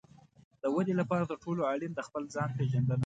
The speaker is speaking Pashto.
د ودې لپاره تر ټولو اړین د خپل ځان پېژندنه ده.